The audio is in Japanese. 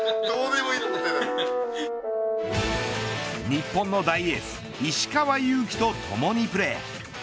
日本の大エース石川祐希とともにプレー。